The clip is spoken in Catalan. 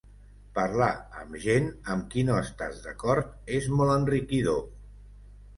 Parlar amb gent amb qui no estàs d’acord és molt enriquidor.